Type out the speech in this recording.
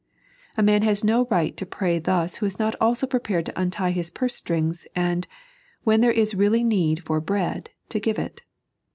A man has no right to pray thus who is not also prepared to untie his purse strings, and, when there is really need for bread, to give it.